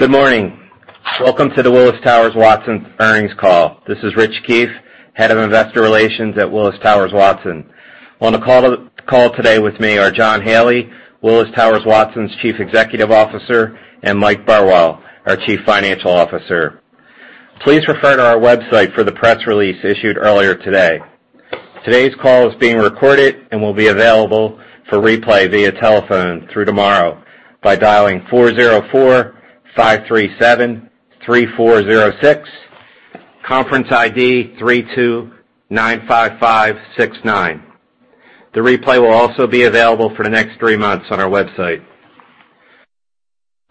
Good morning. Welcome to the Willis Towers Watson earnings call. This is Rich Keefe, Head of Investor Relations at Willis Towers Watson. On the call today with me are John Haley, Willis Towers Watson's Chief Executive Officer, and Mike Burwell, our Chief Financial Officer. Please refer to our website for the press release issued earlier today. Today's call is being recorded and will be available for replay via telephone through tomorrow by dialing 404-537-3406, conference ID 3295569. The replay will also be available for the next three months on our website.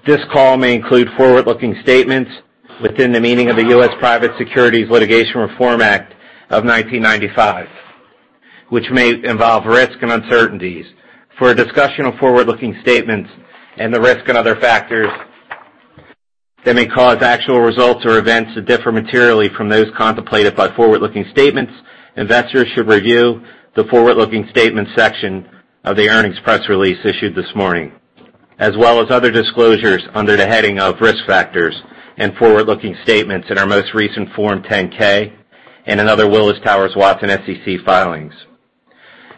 This call may include forward-looking statements within the meaning of the U.S. Private Securities Litigation Reform Act of 1995, which may involve risks and uncertainties. For a discussion of forward-looking statements and the risks and other factors that may cause actual results or events to differ materially from those contemplated by forward-looking statements, investors should review the forward-looking statements section of the earnings press release issued this morning, as well as other disclosures under the heading of Risk Factors and Forward-Looking Statements in our most recent Form 10-K and in other Willis Towers Watson SEC filings.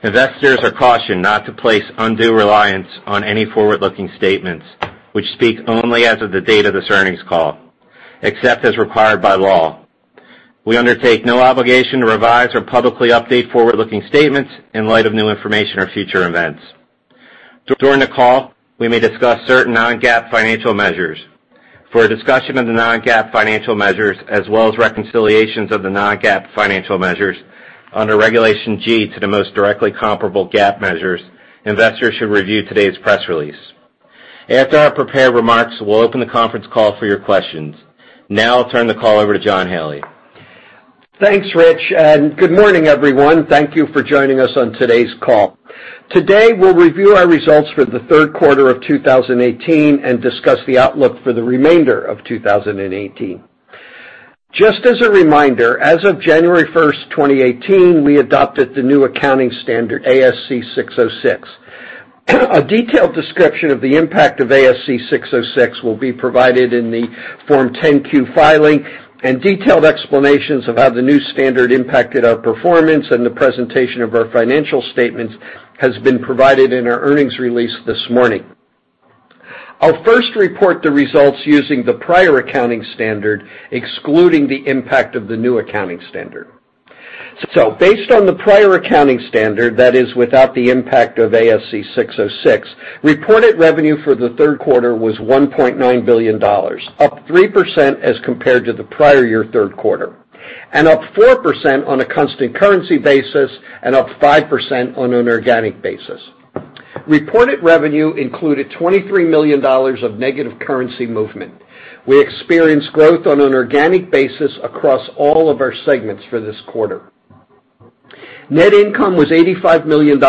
Investors are cautioned not to place undue reliance on any forward-looking statements, which speak only as of the date of this earnings call, except as required by law. We undertake no obligation to revise or publicly update forward-looking statements in light of new information or future events. During the call, we may discuss certain non-GAAP financial measures. For a discussion of the non-GAAP financial measures, as well as reconciliations of the non-GAAP financial measures under Regulation G to the most directly comparable GAAP measures, investors should review today's press release. After our prepared remarks, we'll open the conference call for your questions. I'll turn the call over to John Haley. Thanks, Rich, and good morning, everyone. Thank you for joining us on today's call. Today, we'll review our results for the third quarter of 2018 and discuss the outlook for the remainder of 2018. Just as a reminder, as of January 1st, 2018, we adopted the new accounting standard, ASC 606. A detailed description of the impact of ASC 606 will be provided in the Form 10-Q filing, and detailed explanations of how the new standard impacted our performance and the presentation of our financial statements has been provided in our earnings release this morning. I'll first report the results using the prior accounting standard, excluding the impact of the new accounting standard. Based on the prior accounting standard, that is without the impact of ASC 606, reported revenue for the third quarter was $1.9 billion, up 3% as compared to the prior year third quarter. Up 4% on a constant currency basis and up 5% on an organic basis. Reported revenue included $23 million of negative currency movement. We experienced growth on an organic basis across all of our segments for this quarter. Net income was $85 million,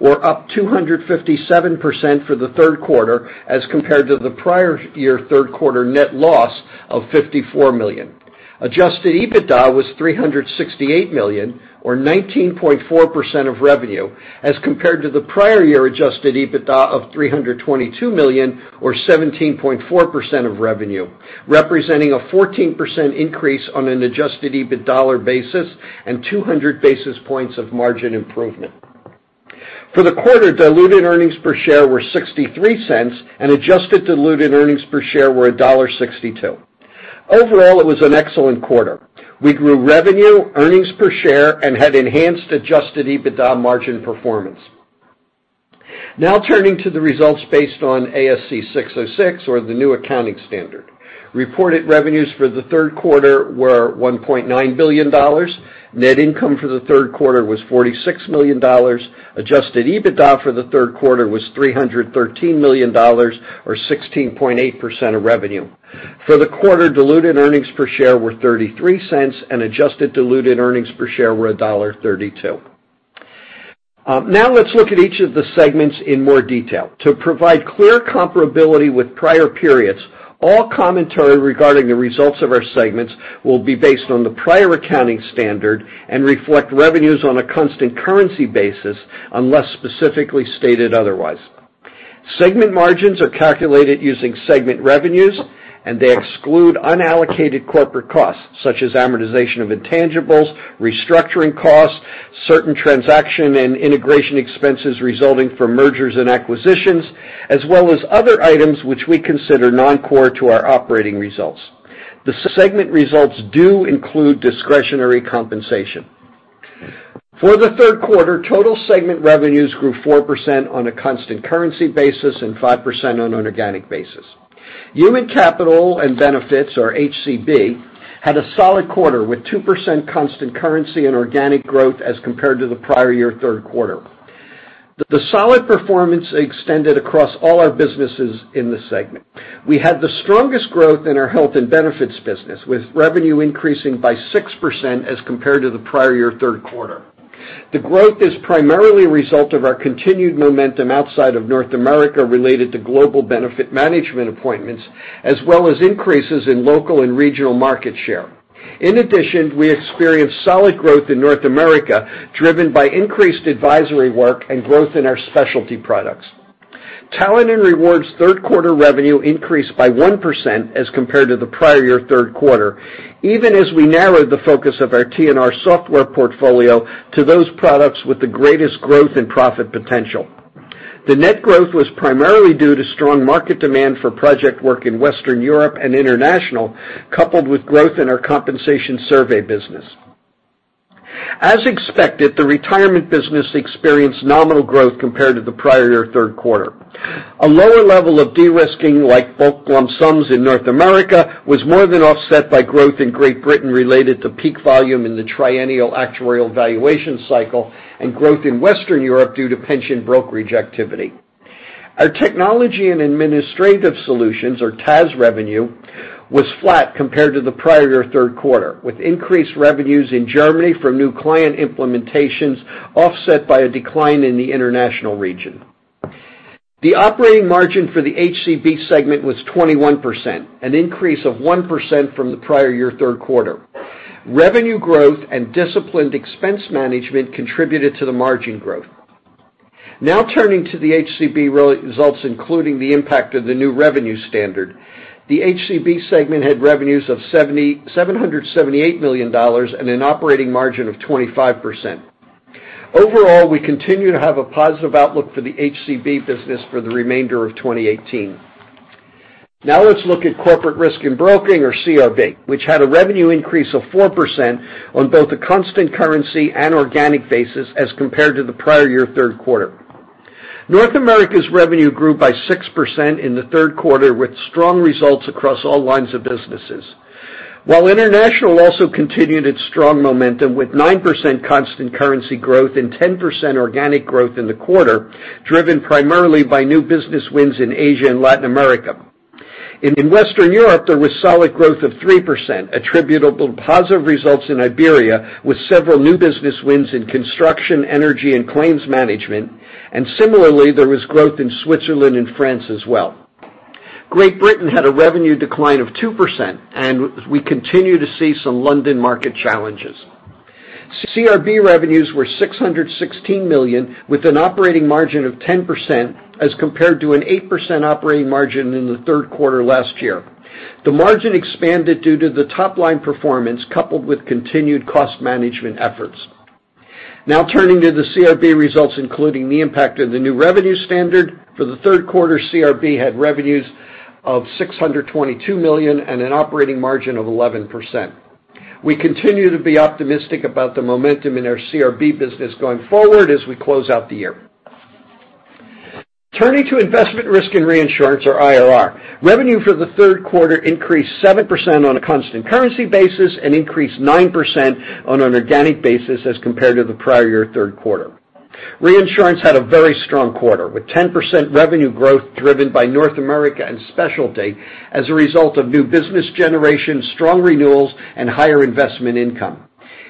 or up 257% for the third quarter as compared to the prior year third quarter net loss of $54 million. Adjusted EBITDA was $368 million or 19.4% of revenue as compared to the prior year adjusted EBITDA of $322 million or 17.4% of revenue, representing a 14% increase on an adjusted EBITDAR basis and 200 basis points of margin improvement. For the quarter, diluted earnings per share were $0.63 and adjusted diluted earnings per share were $1.62. Overall, it was an excellent quarter. We grew revenue, earnings per share, and had enhanced adjusted EBITDA margin performance. Turning to the results based on ASC 606 or the new accounting standard. Reported revenues for the third quarter were $1.9 billion. Net income for the third quarter was $46 million. Adjusted EBITDA for the third quarter was $313 million or 16.8% of revenue. For the quarter, diluted earnings per share were $0.33 and adjusted diluted earnings per share were $1.32. Let's look at each of the segments in more detail. To provide clear comparability with prior periods, all commentary regarding the results of our segments will be based on the prior accounting standard and reflect revenues on a constant currency basis unless specifically stated otherwise. Segment margins are calculated using segment revenues. They exclude unallocated corporate costs, such as amortization of intangibles, restructuring costs, certain transaction and integration expenses resulting from mergers and acquisitions, as well as other items which we consider non-core to our operating results. The segment results do include discretionary compensation. For the third quarter, total segment revenues grew 4% on a constant currency basis and 5% on an organic basis. Human Capital and Benefits, or HCB, had a solid quarter with 2% constant currency and organic growth as compared to the prior year third quarter. The solid performance extended across all our businesses in the segment. We had the strongest growth in our health and benefits business, with revenue increasing by 6% as compared to the prior year third quarter. The growth is primarily a result of our continued momentum outside of North America related to global benefit management appointments, as well as increases in local and regional market share. In addition, we experienced solid growth in North America driven by increased advisory work and growth in our specialty products. Talent and Rewards third quarter revenue increased by 1% as compared to the prior year third quarter, even as we narrowed the focus of our TNR software portfolio to those products with the greatest growth and profit potential. The net growth was primarily due to strong market demand for project work in Western Europe and international, coupled with growth in our compensation survey business. As expected, the retirement business experienced nominal growth compared to the prior year third quarter. A lower level of de-risking like bulk lump sums in North America was more than offset by growth in Great Britain related to peak volume in the triennial actuarial valuation cycle and growth in Western Europe due to pension brokerage activity. Our Technology and Administrative Solutions, or TAS revenue, was flat compared to the prior year third quarter, with increased revenues in Germany from new client implementations offset by a decline in the international region. The operating margin for the HCB segment was 21%, an increase of 1% from the prior year third quarter. Revenue growth and disciplined expense management contributed to the margin growth. Turning to the HCB results, including the impact of the new revenue standard. The HCB segment had revenues of $778 million and an operating margin of 25%. Overall, we continue to have a positive outlook for the HCB business for the remainder of 2018. Let's look at Corporate Risk and Broking, or CRB, which had a revenue increase of 4% on both a constant currency and organic basis as compared to the prior year third quarter. North America's revenue grew by 6% in the third quarter, with strong results across all lines of businesses. International also continued its strong momentum, with 9% constant currency growth and 10% organic growth in the quarter, driven primarily by new business wins in Asia and Latin America. In Western Europe, there was solid growth of 3%, attributable to positive results in Iberia with several new business wins in construction, energy, and claims management. Similarly, there was growth in Switzerland and France as well. Great Britain had a revenue decline of 2%, and we continue to see some London market challenges. CRB revenues were $616 million, with an operating margin of 10%, as compared to an 8% operating margin in the third quarter last year. The margin expanded due to the top-line performance coupled with continued cost management efforts. Turning to the CRB results, including the impact of the new revenue standard. For the third quarter, CRB had revenues of $622 million and an operating margin of 11%. We continue to be optimistic about the momentum in our CRB business going forward as we close out the year. Turning to Investment, Risk and Reinsurance, or IRR. Revenue for the third quarter increased 7% on a constant currency basis and increased 9% on an organic basis as compared to the prior year third quarter. Reinsurance had a very strong quarter, with 10% revenue growth driven by North America and specialty as a result of new business generation, strong renewals, and higher investment income.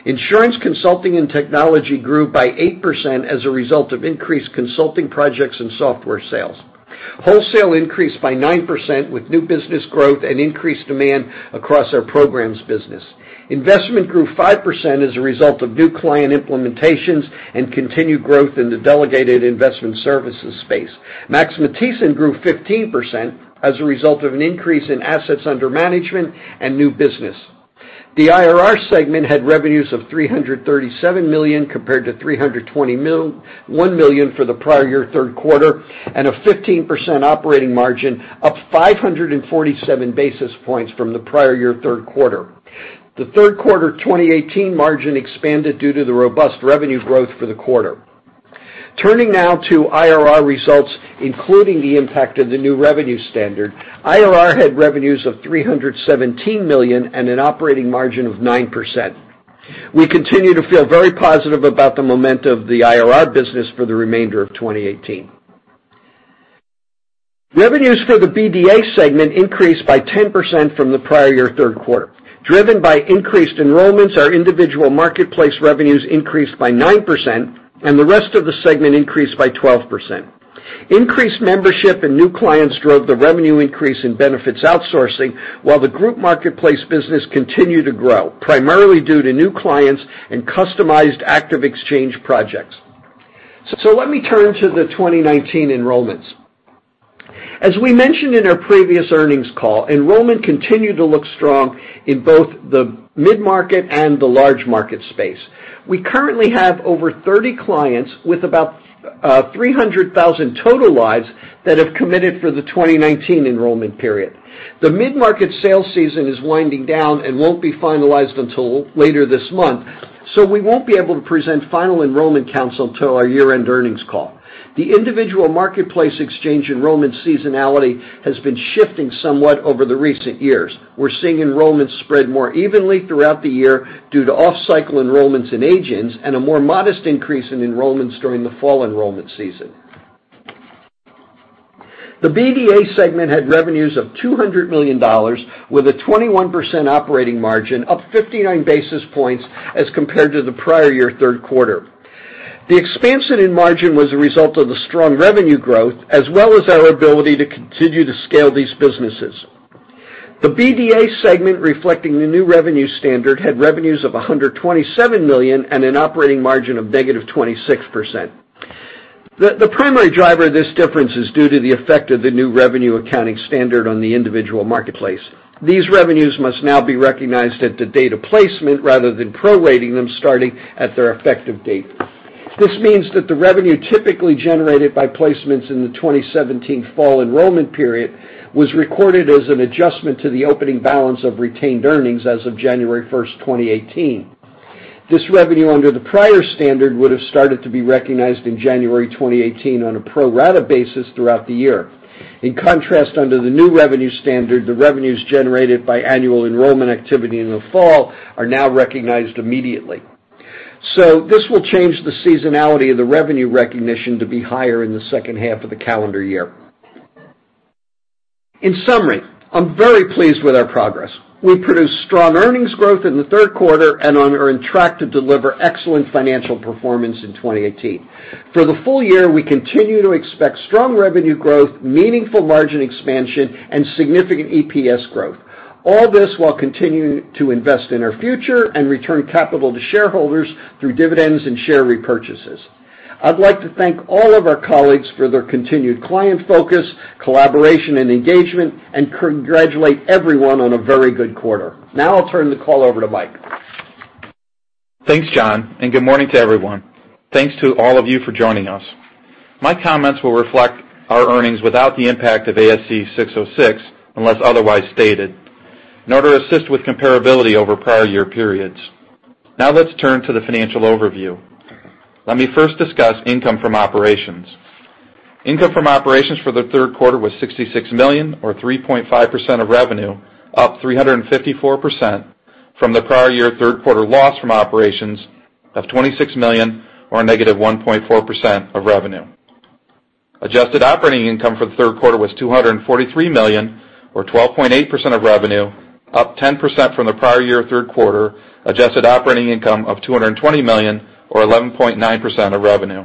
Insurance Consulting and Technology grew by 8% as a result of increased consulting projects and software sales. Wholesale increased by 9%, with new business growth and increased demand across our programs business. Investment grew 5% as a result of new client implementations and continued growth in the delegated investment services space. Max Matthiessen grew 15% as a result of an increase in assets under management and new business. The IRR segment had revenues of $337 million compared to $321 million for the prior year third quarter, and a 15% operating margin, up 547 basis points from the prior year third quarter. The third quarter 2018 margin expanded due to the robust revenue growth for the quarter. Turning now to IRR results, including the impact of the new revenue standard. IRR had revenues of $317 million and an operating margin of 9%. We continue to feel very positive about the momentum of the IRR business for the remainder of 2018. Revenues for the BDA segment increased by 10% from the prior year third quarter. Driven by increased enrollments, our individual marketplace revenues increased by 9%, and the rest of the segment increased by 12%. Increased membership and new clients drove the revenue increase in benefits outsourcing, while the group marketplace business continued to grow, primarily due to new clients and customized active exchange projects. Let me turn to the 2019 enrollments. As we mentioned in our previous earnings call, enrollment continued to look strong in both the mid-market and the large market space. We currently have over 30 clients with about 300,000 total lives that have committed for the 2019 enrollment period. The mid-market sales season is winding down and won't be finalized until later this month, we won't be able to present final enrollment count until our year-end earnings call. The individual marketplace exchange enrollment seasonality has been shifting somewhat over the recent years. We're seeing enrollments spread more evenly throughout the year due to off-cycle enrollments and agents, and a more modest increase in enrollments during the fall enrollment season. The BDA segment had revenues of $200 million with a 21% operating margin, up 59 basis points as compared to the prior year third quarter. The expansion in margin was a result of the strong revenue growth, as well as our ability to continue to scale these businesses. The BDA segment reflecting the new revenue standard, had revenues of $127 million and an operating margin of negative 26%. The primary driver of this difference is due to the effect of the new revenue accounting standard on the individual marketplace. These revenues must now be recognized at the date of placement rather than prorating them starting at their effective date. This means that the revenue typically generated by placements in the 2017 fall enrollment period was recorded as an adjustment to the opening balance of retained earnings as of January 1, 2018. This revenue under the prior standard would have started to be recognized in January 2018 on a pro-rata basis throughout the year. In contrast, under the new revenue standard, the revenues generated by annual enrollment activity in the fall are now recognized immediately. This will change the seasonality of the revenue recognition to be higher in the second half of the calendar year. In summary, I'm very pleased with our progress. We produced strong earnings growth in the third quarter and are on track to deliver excellent financial performance in 2018. For the full year, we continue to expect strong revenue growth, meaningful margin expansion, and significant EPS growth. All this while continuing to invest in our future and return capital to shareholders through dividends and share repurchases. I'd like to thank all of our colleagues for their continued client focus, collaboration, and engagement, and congratulate everyone on a very good quarter. Now I'll turn the call over to Mike. Thanks, John, and good morning to everyone. Thanks to all of you for joining us. My comments will reflect our earnings without the impact of ASC 606, unless otherwise stated, in order to assist with comparability over prior year periods. Let's turn to the financial overview. Let me first discuss income from operations. Income from operations for the third quarter was $66 million or 3.5% of revenue, up 354% from the prior year third quarter loss from operations of $26 million or a -1.4% of revenue. Adjusted operating income for the third quarter was $243 million or 12.8% of revenue, up 10% from the prior year third quarter adjusted operating income of $220 million or 11.9% of revenue.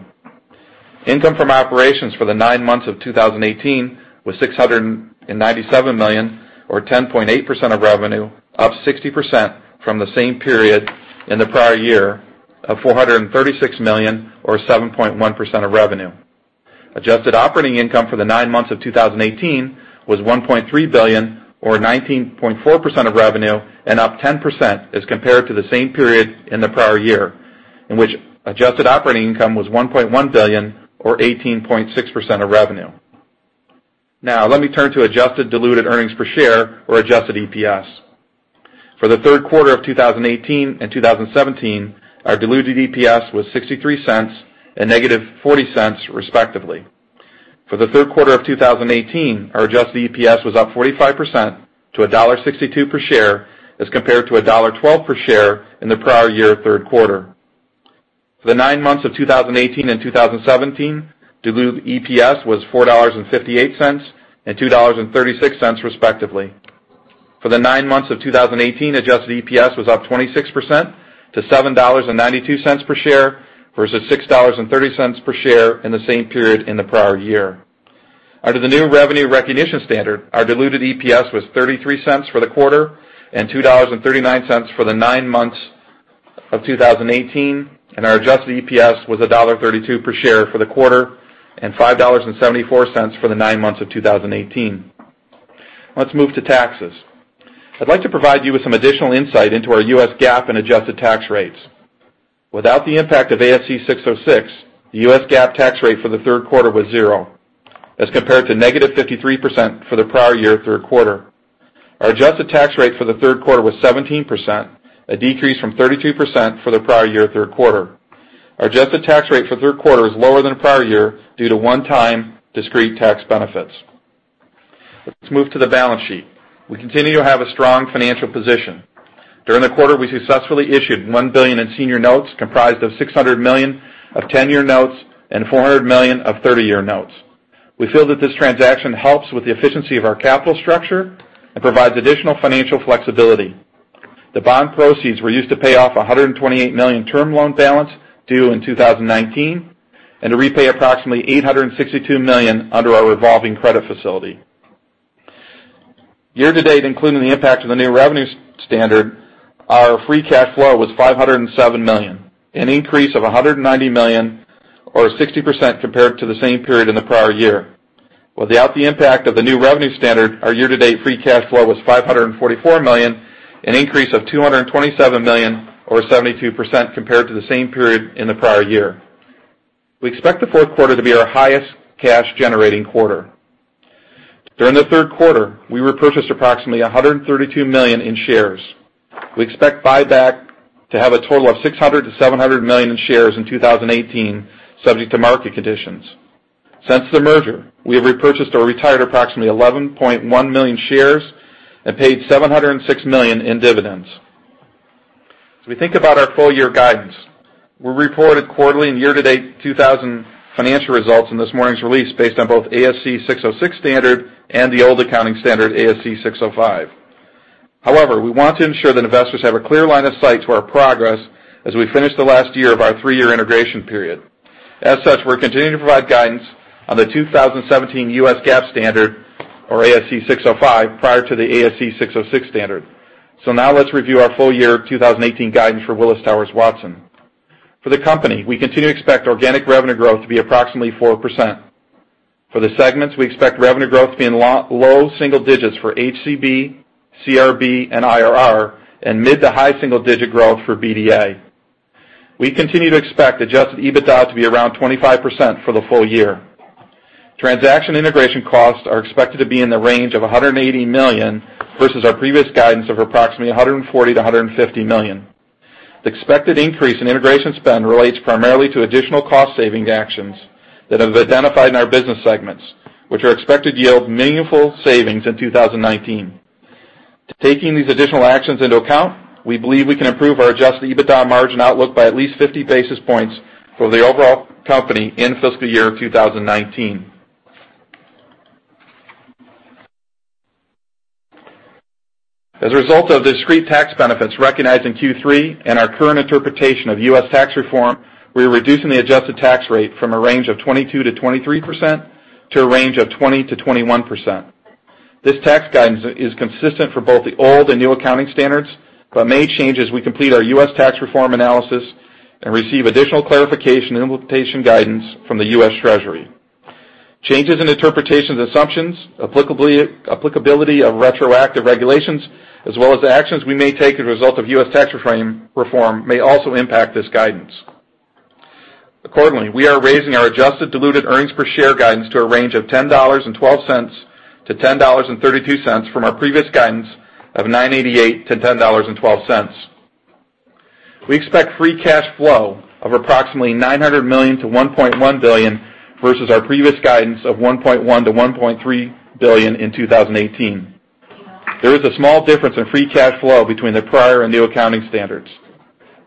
Income from operations for the nine months of 2018 was $697 million or 10.8% of revenue, up 60% from the same period in the prior year of $436 million or 7.1% of revenue. Adjusted operating income for the nine months of 2018 was $1.3 billion or 19.4% of revenue and up 10% as compared to the same period in the prior year, in which adjusted operating income was $1.1 billion or 18.6% of revenue. Let me turn to adjusted diluted earnings per share or adjusted EPS. For the third quarter of 2018 and 2017, our diluted EPS was $0.63 and -$0.40 respectively. For the third quarter of 2018, our adjusted EPS was up 45% to $1.62 per share as compared to $1.12 per share in the prior year third quarter. For the nine months of 2018 and 2017, diluted EPS was $4.58 and $2.36 respectively. For the nine months of 2018, adjusted EPS was up 26% to $7.92 per share versus $6.30 per share in the same period in the prior year. Under the new revenue recognition standard, our diluted EPS was $0.33 for the quarter and $2.39 for the nine months of 2018, and our adjusted EPS was $1.32 per share for the quarter and $5.74 for the nine months of 2018. Let's move to taxes. I'd like to provide you with some additional insight into our U.S. GAAP and adjusted tax rates. Without the impact of ASC 606, the U.S. GAAP tax rate for the third quarter was 0, as compared to -33% for the prior year third quarter. Our adjusted tax rate for the third quarter was 17%, a decrease from 32% for the prior year third quarter. Our adjusted tax rate for third quarter is lower than the prior year due to one-time discrete tax benefits. Let's move to the balance sheet. We continue to have a strong financial position. During the quarter, we successfully issued $1 billion in senior notes, comprised of $600 million of 10-year notes and $400 million of 30-year notes. We feel that this transaction helps with the efficiency of our capital structure and provides additional financial flexibility. The bond proceeds were used to pay off $128 million term loan balance due in 2019 and to repay approximately $862 million under our revolving credit facility. Year to date, including the impact of the new revenue standard, our free cash flow was $507 million, an increase of $190 million or 60% compared to the same period in the prior year. Without the impact of the new revenue standard, our year-to-date free cash flow was $544 million, an increase of $227 million or 72% compared to the same period in the prior year. We expect the fourth quarter to be our highest cash-generating quarter. During the third quarter, we repurchased approximately $132 million in shares. We expect buyback to have a total of $600 million-$700 million in shares in 2018, subject to market conditions. Since the merger, we have repurchased or retired approximately 11.1 million shares and paid $706 million in dividends. As we think about our full-year guidance, we reported quarterly and year-to-date 2000 financial results in this morning's release based on both ASC 606 standard and the old accounting standard, ASC 605. We want to ensure that investors have a clear line of sight to our progress as we finish the last year of our three-year integration period. As such, we're continuing to provide guidance on the 2017 U.S. GAAP standard, or ASC 605, prior to the ASC 606 standard. Now let's review our full-year 2018 guidance for Willis Towers Watson. For the company, we continue to expect organic revenue growth to be approximately 4%. For the segments, we expect revenue growth to be in low single digits for HCB, CRB, and IRR, and mid to high single digit growth for BDA. We continue to expect adjusted EBITDA to be around 25% for the full year. Transaction integration costs are expected to be in the range of $180 million versus our previous guidance of approximately $140 million-$150 million. The expected increase in integration spend relates primarily to additional cost-saving actions that have identified in our business segments, which are expected to yield meaningful savings in 2019. Taking these additional actions into account, we believe we can improve our adjusted EBITDA margin outlook by at least 50 basis points for the overall company in fiscal year 2019. As a result of discrete tax benefits recognized in Q3 and our current interpretation of U.S. tax reform, we are reducing the adjusted tax rate from a range of 22%-23% to a range of 20%-21%. This tax guidance is consistent for both the old and new accounting standards, but may change as we complete our U.S. tax reform analysis and receive additional clarification and implementation guidance from the U.S. Treasury. Changes in interpretations assumptions, applicability of retroactive regulations, as well as actions we may take as a result of U.S. tax reform may also impact this guidance. Accordingly, we are raising our adjusted diluted earnings per share guidance to a range of $10.12-$10.32 from our previous guidance of $9.88-$10.12. We expect free cash flow of approximately $900 million-$1.1 billion versus our previous guidance of $1.1 billion-$1.3 billion in 2018. There is a small difference in free cash flow between the prior and new accounting standards.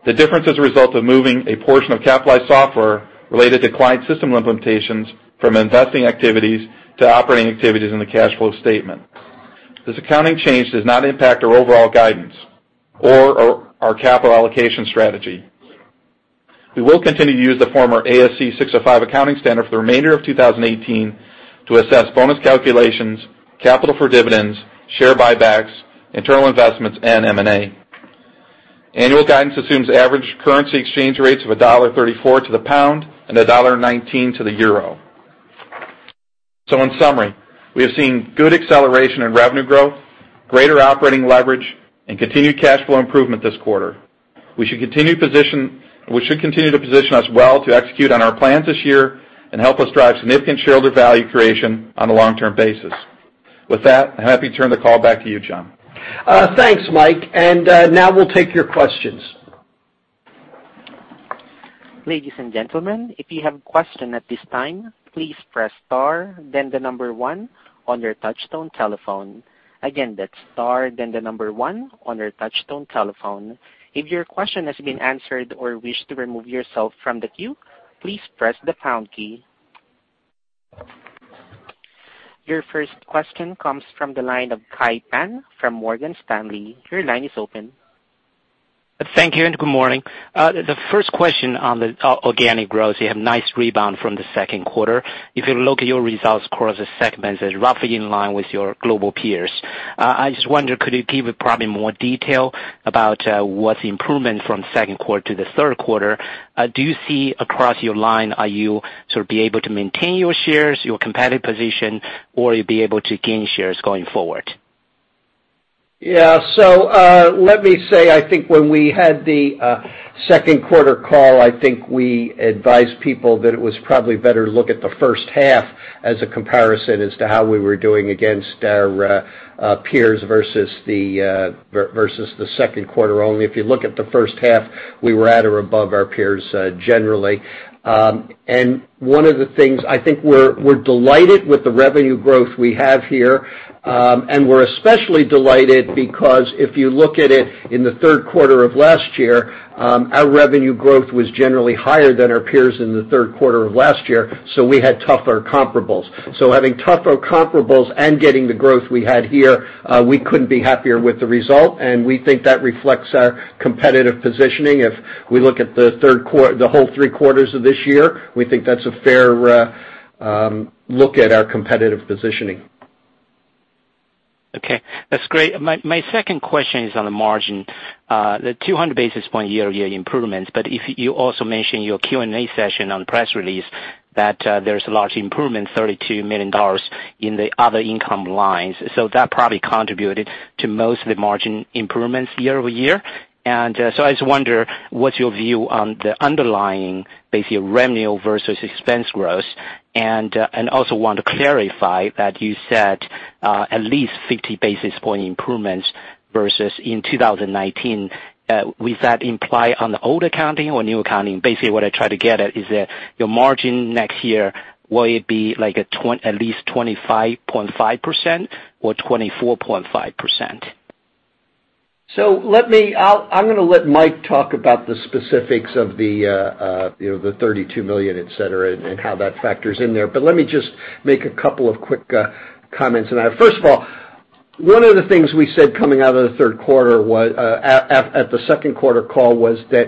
The difference is a result of moving a portion of capitalized software related to client system implementations from investing activities to operating activities in the cash flow statement. This accounting change does not impact our overall guidance or our capital allocation strategy. We will continue to use the former ASC 605 accounting standard for the remainder of 2018 to assess bonus calculations, capital for dividends, share buybacks, internal investments, and M&A. Annual guidance assumes average currency exchange rates of $1.34 to the GBP and $1.19 to the EUR. In summary, we have seen good acceleration in revenue growth, greater operating leverage, and continued cash flow improvement this quarter. We should continue to position us well to execute on our plans this year and help us drive significant shareholder value creation on a long-term basis. With that, I'm happy to turn the call back to you, John. Thanks, Mike. Now we'll take your questions. Ladies and gentlemen, if you have a question at this time, please press star, then 1 on your touchtone telephone. Again, that's star, then 1 on your touchtone telephone. If your question has been answered or wish to remove yourself from the queue, please press the pound key. Your first question comes from the line of Kai Pan from Morgan Stanley. Your line is open. Thank you. Good morning. The first question on the organic growth, you have nice rebound from the second quarter. If you look at your results across the segments, it's roughly in line with your global peers. I just wonder, could you give probably more detail about what's the improvement from second quarter to the third quarter? Do you see across your line, are you sort of be able to maintain your shares, your competitive position, or you'll be able to gain shares going forward? Yeah. Let me say, I think when we had the second quarter call, I think we advised people that it was probably better to look at the first half as a comparison as to how we were doing against our peers versus the second quarter only. If you look at the first half, we were at or above our peers, generally. One of the things, I think we're delighted with the revenue growth we have here, and we're especially delighted because if you look at it in the third quarter of last year, our revenue growth was generally higher than our peers in the third quarter of last year. We had tougher comparables. Having tougher comparables and getting the growth we had here, we couldn't be happier with the result, and we think that reflects our competitive positioning. If we look at the whole three quarters of this year, we think that's a fair look at our competitive positioning. Okay. That's great. My second question is on the margin. The 200 basis point year-over-year improvements, if you also mention your Q&A session on press release that there's a large improvement, $32 million, in the other income lines. That probably contributed to most of the margin improvements year-over-year. I just wonder, what's your view on the underlying, basically revenue versus expense growth? Also want to clarify that you said at least 50 basis point improvements versus in 2019. With that imply on the old accounting or new accounting? What I try to get at is that your margin next year, will it be like at least 25.5% or 24.5%? I'm going to let Mike talk about the specifics of the $32 million, et cetera, and how that factors in there. Let me just make a couple of quick comments on that. First of all, one of the things we said coming out of the third quarter, at the second quarter call was that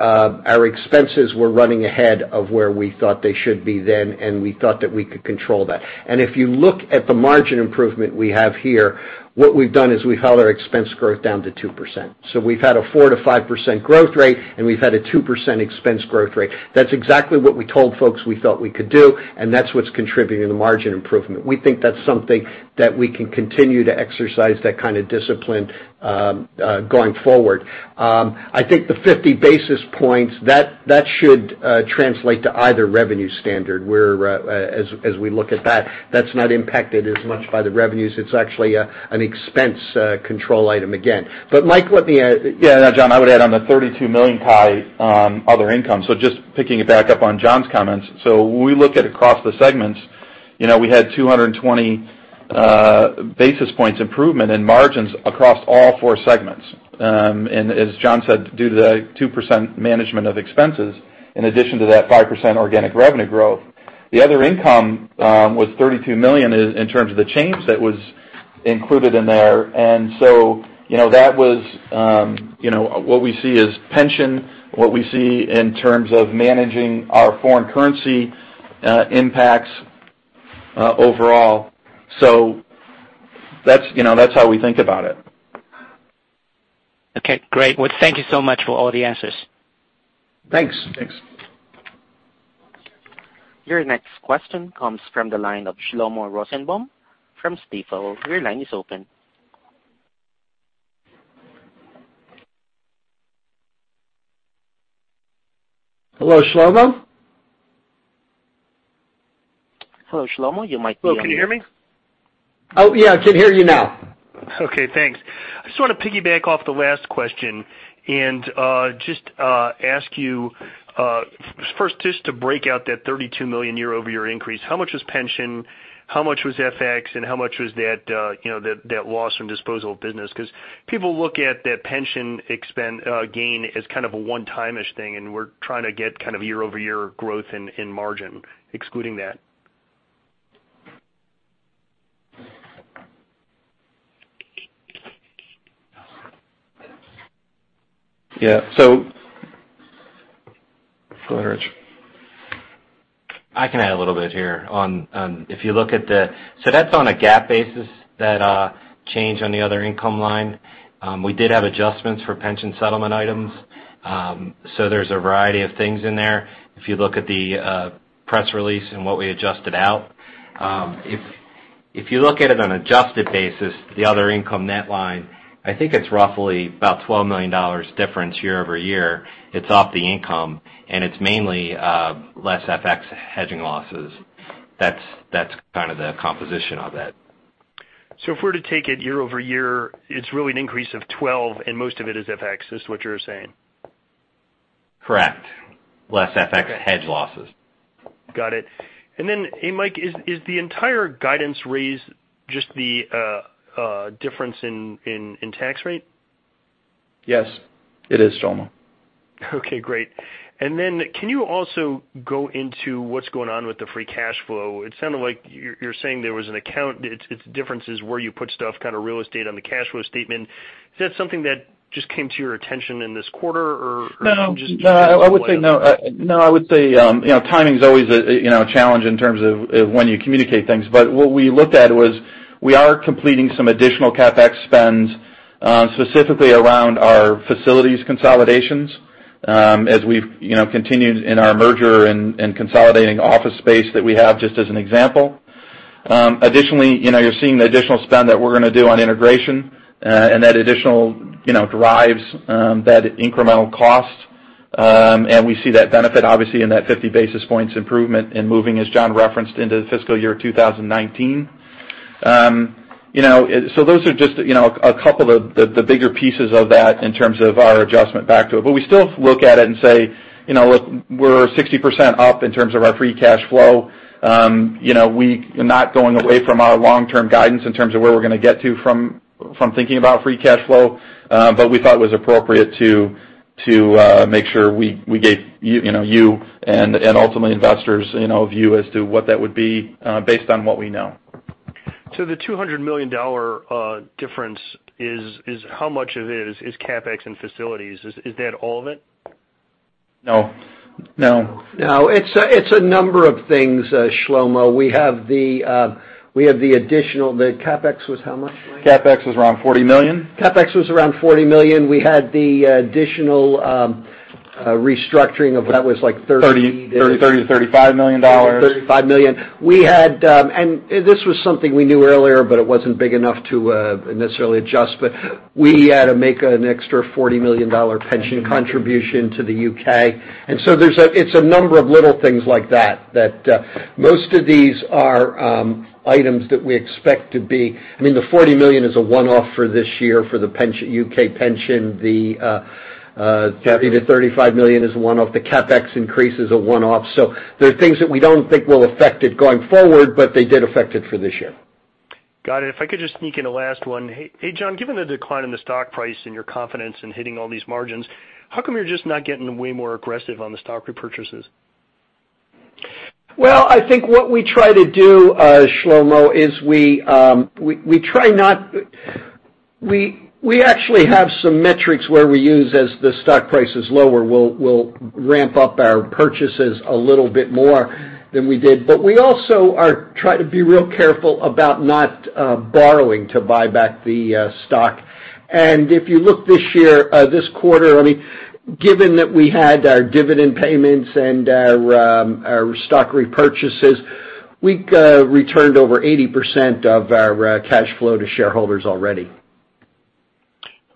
our expenses were running ahead of where we thought they should be then, and we thought that we could control that. If you look at the margin improvement we have here, what we've done is we've held our expense growth down to 2%. We've had a 4%-5% growth rate, and we've had a 2% expense growth rate. That's exactly what we told folks we thought we could do, and that's what's contributing to the margin improvement. We think that's something that we can continue to exercise that kind of discipline going forward. I think the 50 basis points, that should translate to either revenue standard as we look at that. That's not impacted as much by the revenues. It's actually an expense control item again. Mike, let me- John, I would add on the $32 million part on other income, just picking it back up on John's comments. We look at across the segments, we had 220 basis points improvement in margins across all 4 segments. As John said, due to the 2% management of expenses, in addition to that 5% organic revenue growth, the other income was $32 million in terms of the change that was included in there. What we see is pension, what we see in terms of managing our foreign currency impacts overall. That's how we think about it. Well, great. Thank you so much for all the answers. Thanks. Thanks. Your next question comes from the line of Shlomo Rosenbaum from Stifel. Your line is open. Hello, Shlomo? Hello, Shlomo, you might be on- Hello, can you hear me? Oh, yeah, I can hear you now. Okay, thanks. I just want to piggyback off the last question and just ask you, first just to break out that $32 million year-over-year increase. How much was pension? How much was FX? How much was that loss from disposal of business? Because people look at that pension gain as kind of a one-time-ish thing, and we're trying to get kind of year-over-year growth in margin excluding that. Yeah. Go ahead, Rich. I can add a little bit here. That's on a GAAP basis, that change on the other income line. We did have adjustments for pension settlement items. There's a variety of things in there. If you look at the press release and what we adjusted out. If you look at it on an adjusted basis, the other income net line, I think it's roughly about $12 million difference year-over-year. It's off the income, and it's mainly less FX hedging losses. That's kind of the composition of it. If we're to take it year-over-year, it's really an increase of $12 and most of it is FX, is what you're saying? Correct. Less FX hedge losses. Got it. Hey, Mike, is the entire guidance raise just the difference in tax rate? Yes. It is, Shlomo. Okay, great. Can you also go into what's going on with the free cash flow? It sounded like you're saying there was an account, it's differences where you put stuff, kind of real estate on the cash flow statement. Is that something that just came to your attention in this quarter? No, I would say timing's always a challenge in terms of when you communicate things. What we looked at was we are completing some additional CapEx spends, specifically around our facilities consolidations as we've continued in our merger and consolidating office space that we have, just as an example. Additionally, you're seeing the additional spend that we're going to do on integration, and that additional derives that incremental cost. We see that benefit, obviously, in that 50 basis points improvement in moving, as John referenced, into fiscal year 2019. Those are just a couple of the bigger pieces of that in terms of our adjustment back to it. We still look at it and say, "Look, we're 60% up in terms of our free cash flow." We're not going away from our long-term guidance in terms of where we're going to get to from thinking about free cash flow. We thought it was appropriate to make sure we gave you and ultimately investors a view as to what that would be based on what we know. The $200 million difference is, how much of it is CapEx and facilities? Is that all of it? No. No. It's a number of things, Shlomo. We have The CapEx was how much, Mike? CapEx was around $40 million. CapEx was around $40 million. We had the additional restructuring of what was like 30 $30 million to $35 million. $30 million to $35 million. This was something we knew earlier, but it wasn't big enough to necessarily adjust, but we had to make an extra $40 million pension contribution to the U.K. It's a number of little things like that most of these are items that we expect. I mean, the $40 million is a one-off for this year for the U.K. pension. The $35 million is one-off. The CapEx increase is a one-off. There are things that we don't think will affect it going forward, but they did affect it for this year. Got it. If I could just sneak in a last one. Hey, John, given the decline in the stock price and your confidence in hitting all these margins, how come you're just not getting way more aggressive on the stock repurchases? Well, I think what we try to do, Shlomo, is we actually have some metrics where we use as the stock price is lower, we'll ramp up our purchases a little bit more than we did. We also are trying to be real careful about not borrowing to buy back the stock. If you look this quarter, given that we had our dividend payments and our stock repurchases, we returned over 80% of our cash flow to shareholders already.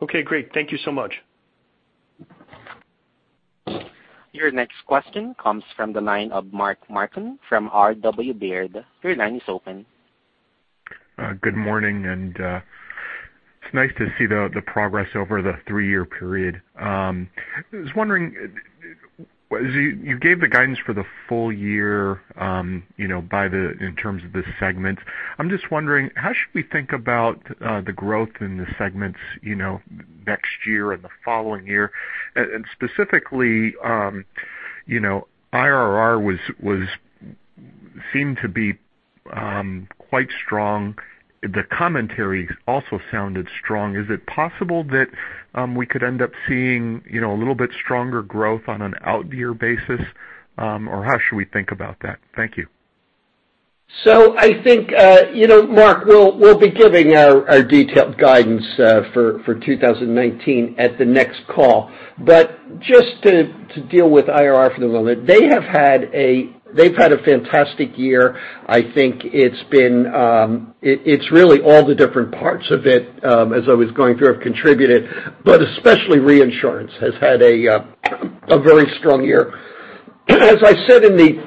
Okay, great. Thank you so much. Your next question comes from the line of Mark Marcon from R.W. Baird. Your line is open. Good morning. It's nice to see the progress over the three-year period. I was wondering, you gave the guidance for the full year in terms of the segments. I'm just wondering, how should we think about the growth in the segments next year and the following year? Specifically, IRR seemed to be quite strong. The commentary also sounded strong. Is it possible that we could end up seeing a little bit stronger growth on an out year basis? How should we think about that? Thank you. I think, Mark, we'll be giving our detailed guidance for 2019 at the next call. Just to deal with IRR for the moment, they've had a fantastic year. I think it's really all the different parts of it, as I was going through, have contributed, but especially reinsurance has had a very strong year. As I said in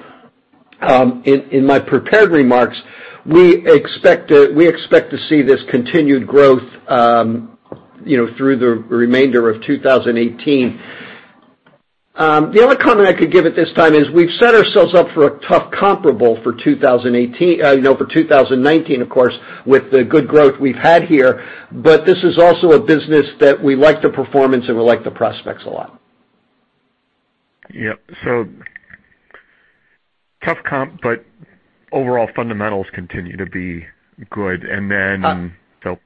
my prepared remarks, we expect to see this continued growth through the remainder of 2018. The only comment I could give at this time is we've set ourselves up for a tough comparable for 2019, of course, with the good growth we've had here, but this is also a business that we like the performance, and we like the prospects a lot. Yep. Tough comp, but overall fundamentals continue to be good.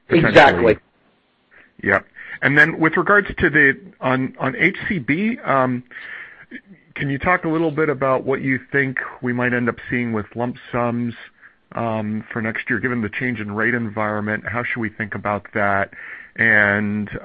Exactly. Yep. With regards on HCB, can you talk a little bit about what you think we might end up seeing with lump sums for next year, given the change in rate environment? How should we think about that? You've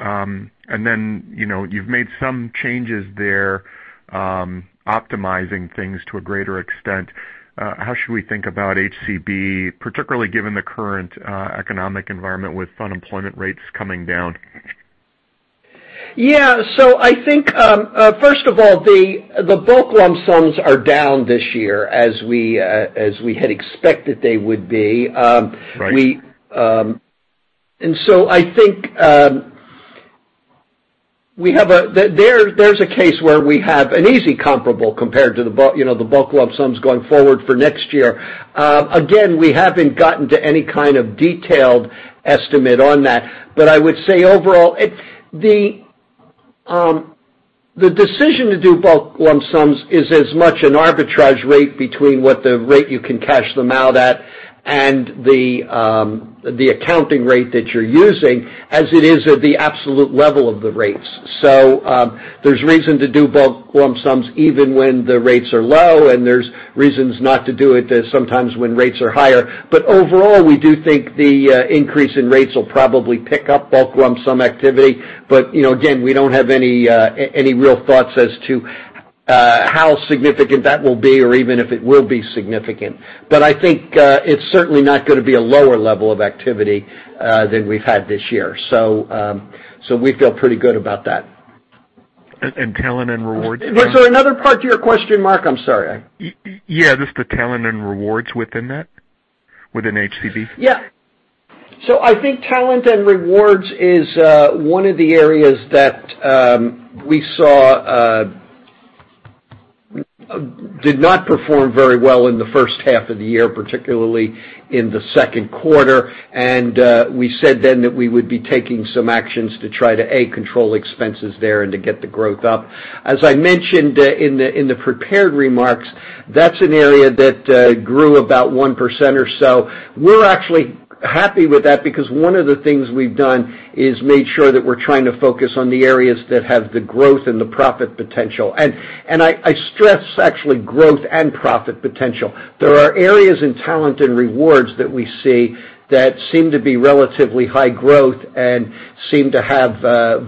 made some changes there, optimizing things to a greater extent. How should we think about HCB, particularly given the current economic environment with unemployment rates coming down? Yeah. I think, first of all, the bulk lump sums are down this year as we had expected they would be. Right. There's a case where we have an easy comparable compared to the bulk lump sums going forward for next year. We haven't gotten to any kind of detailed estimate on that. I would say overall, the decision to do bulk lump sums is as much an arbitrage rate between what the rate you can cash them out at and the accounting rate that you're using as it is at the absolute level of the rates. There's reason to do bulk lump sums even when the rates are low. There's reasons not to do it sometimes when rates are higher. Overall, we do think the increase in rates will probably pick up bulk lump sum activity. Again, we don't have any real thoughts as to how significant that will be or even if it will be significant. I think it's certainly not going to be a lower level of activity than we've had this year. We feel pretty good about that. Talent and Rewards- Was there another part to your question, Mark? I'm sorry. Yeah, just the Talent and Rewards within that, within HCB. I think Talent and Rewards is one of the areas that we saw did not perform very well in the first half of the year, particularly in the second quarter. We said then that we would be taking some actions to try to, A, control expenses there and to get the growth up. As I mentioned in the prepared remarks, that's an area that grew about 1% or so. We're actually happy with that because one of the things we've done is made sure that we're trying to focus on the areas that have the growth and the profit potential. I stress actually growth and profit potential. There are areas in Talent and Rewards that we see that seem to be relatively high growth and seem to have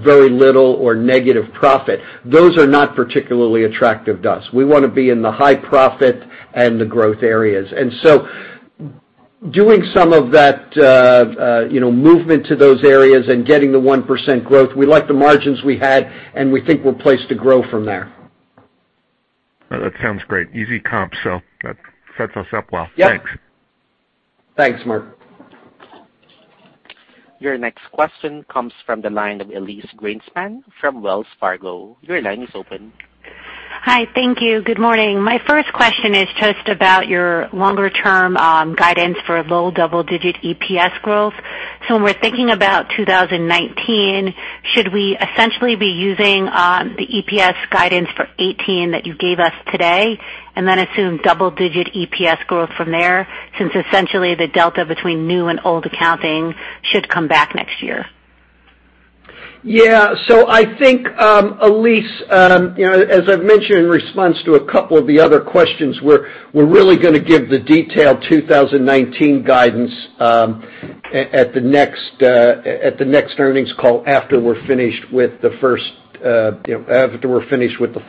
very little or negative profit. Those are not particularly attractive to us. We want to be in the high profit and the growth areas. Doing some of that movement to those areas and getting the 1% growth, we like the margins we had, and we think we're placed to grow from there. That sounds great. Easy comp, that sets us up well. Yep. Thanks. Thanks, Mark. Your next question comes from the line of Elyse Greenspan from Wells Fargo. Your line is open. Hi. Thank you. Good morning. My first question is just about your longer-term guidance for low double-digit EPS growth. When we're thinking about 2019, should we essentially be using the EPS guidance for 2018 that you gave us today, and then assume double-digit EPS growth from there, since essentially the delta between new and old accounting should come back next year? I think, Elyse, as I've mentioned in response to a couple of the other questions, we're really going to give the detailed 2019 guidance at the next earnings call after we're finished with the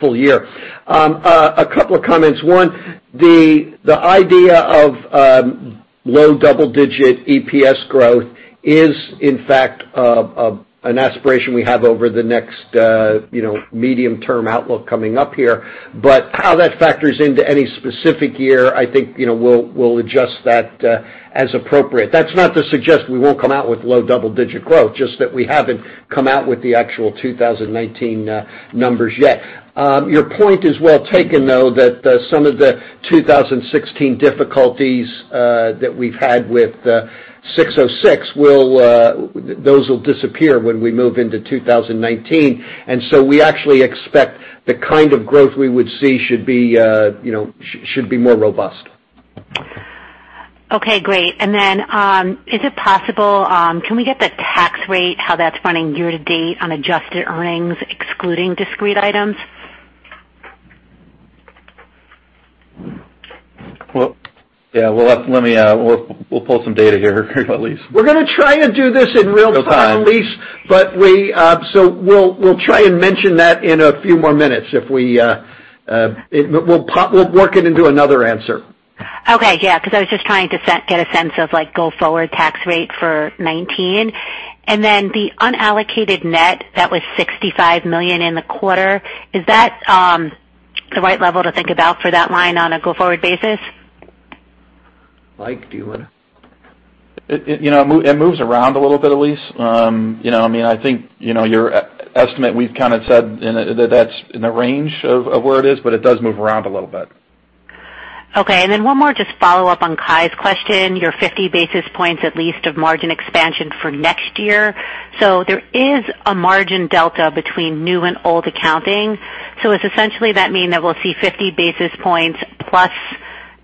full year. A couple of comments. One, the idea of low double-digit EPS growth is in fact an aspiration we have over the next medium-term outlook coming up here. How that factors into any specific year, I think, we'll adjust that as appropriate. That's not to suggest we won't come out with low double-digit growth, just that we haven't come out with the actual 2019 numbers yet. Your point is well taken, though, that some of the 2016 difficulties that we've had with the 606, those will disappear when we move into 2019. We actually expect the kind of growth we would see should be more robust. Okay, great. Is it possible, can we get the tax rate, how that's running year-to-date on adjusted earnings, excluding discrete items? Well, we'll pull some data here, Elyse. We're going to try to do this in real time. No problem Elyse. We'll try and mention that in a few more minutes. We'll work it into another answer. Okay. Yeah, I was just trying to get a sense of go forward tax rate for 2019. The unallocated net that was $65 million in the quarter, is that the right level to think about for that line on a go-forward basis? Mike, do you want to? It moves around a little bit, Elyse. I think your estimate, we've kind of said that's in the range of where it is, but it does move around a little bit. Okay. One more just follow up on Kai's question, your 50 basis points at least of margin expansion for next year. There is a margin delta between new and old accounting. Does essentially that mean that we'll see 50 basis points plus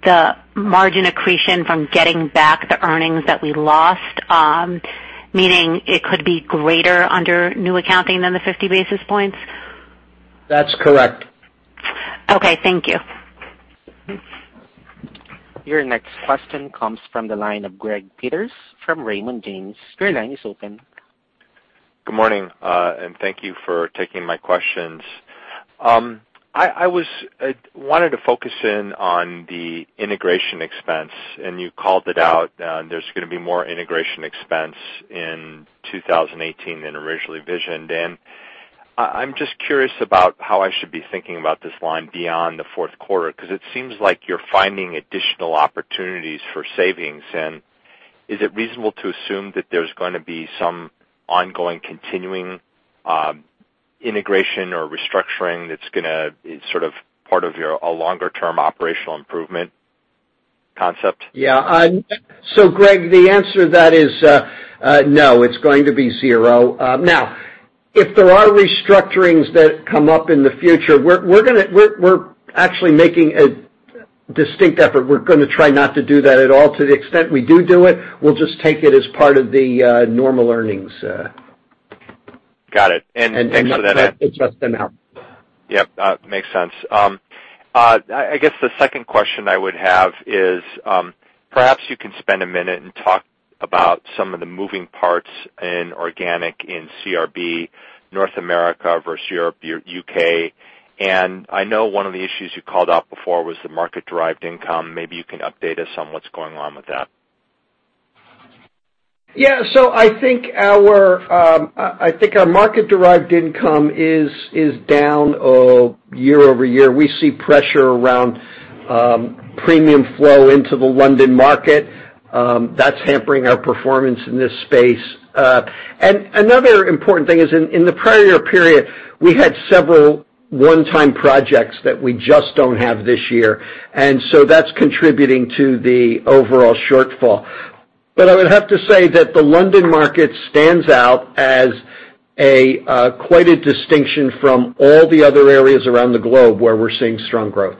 the margin accretion from getting back the earnings that we lost, meaning it could be greater under new accounting than the 50 basis points? That's correct. Okay. Thank you. Your next question comes from the line of Gregory Peters from Raymond James. Your line is open. Good morning. Thank you for taking my questions. I wanted to focus in on the integration expense. You called it out, there's going to be more integration expense in 2018 than originally envisioned. I'm just curious about how I should be thinking about this line beyond the fourth quarter, because it seems like you're finding additional opportunities for savings. Is it reasonable to assume that there's going to be some ongoing continuing integration or restructuring that's going to be sort of part of your longer-term operational improvement concept? Yeah. Greg, the answer to that is no, it's going to be zero. Now, if there are restructurings that come up in the future, we're actually making a distinct effort. We're going to try not to do that at all. To the extent we do it, we'll just take it as part of the normal earnings. Got it. Thanks for that. It's just an out. Yep. Makes sense. I guess the second question I would have is, perhaps you can spend a minute and talk about some of the moving parts in organic in CRB, North America versus Europe, U.K. I know one of the issues you called out before was the market-derived income. Maybe you can update us on what's going on with that. Yeah. I think our market-derived income is down year-over-year. We see pressure around premium flow into the London market. That's hampering our performance in this space. Another important thing is in the prior year period, we had several one-time projects that we just don't have this year, that's contributing to the overall shortfall. I would have to say that the London market stands out as quite a distinction from all the other areas around the globe where we're seeing strong growth.